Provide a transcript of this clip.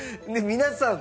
皆さん